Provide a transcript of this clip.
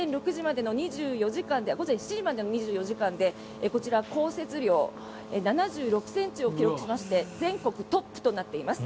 午前７時までの２４時間でこちら、降雪量７６ｃｍを記録しまして全国トップとなっています。